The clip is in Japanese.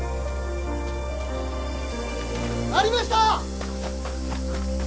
ありました！